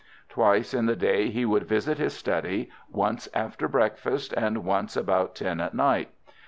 Twice in the day he would visit his study, once after breakfast, and once about ten at night.